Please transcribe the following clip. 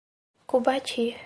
Cubati